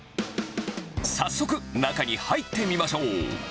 早速、中に入ってみましょう。